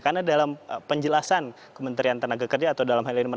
karena dalam penjelasan kementerian tenaga kerja atau dalam hal ini